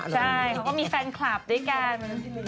ใช่เขาก็มีแฟนคลับด้วยกัน